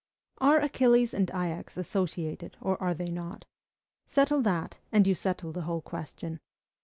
Are Achilles and Ajax associated, or are they not? Settle that, and you settle the whole question.